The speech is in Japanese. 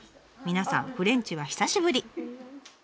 皆さんフレンチは久しぶり。